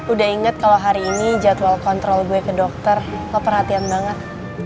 udah inget kalau hari ini jadwal kontrol gue ke dokter keperhatian banget